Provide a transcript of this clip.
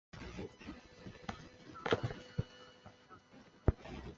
县名指的是位于原来属于本县的温泉城的温泉。